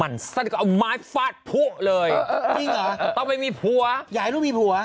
มันซั่นก็เอาไม้ฟาดผัวเลยต้องไม่มีผัวอย่าให้ลูกมีผัว